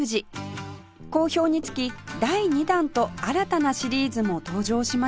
好評につき第２弾と新たなシリーズも登場しました